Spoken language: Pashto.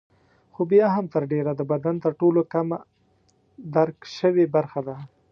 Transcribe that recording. خو بیا هم تر ډېره د بدن تر ټولو کمه درک شوې برخه ده.